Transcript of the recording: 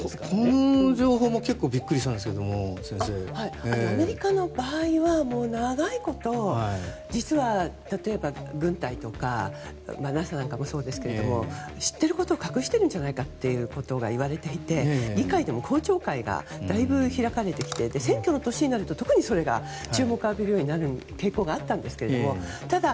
この情報も結構アメリカの場合は長いこと、実は例えば軍隊とかＮＡＳＡなんかもそうですけど知っていることを隠しているんじゃないかと言われていて、議会でも公聴会がだいぶ開かれていて選挙の年になると特にそれが注目を浴びるようになる傾向があったんですがただ、